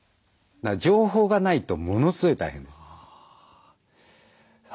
情報がないとものすごい大変です。